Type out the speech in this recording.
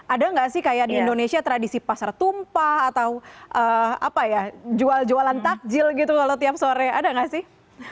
ada nggak sih kayak di indonesia tradisi pasar tumpah atau apa ya jual jualan takjil gitu kalau tiap sore ada nggak sih